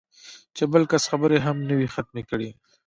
چې بل کس خبرې هم نه وي ختمې کړې